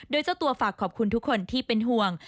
โดยเจ้าตัวฝากขอบคุณทุกคนที่เป็นห่วง